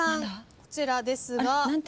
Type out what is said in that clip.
こちらですが。